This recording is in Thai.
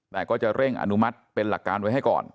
แต่ก็จะเร่งอนุมัติเป็นหลักการไว้ให้ก่อน